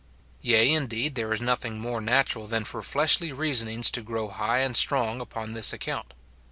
Yea, indeed, there is nothing more natural than for fleshly reasonings to grow high and strong upon this account.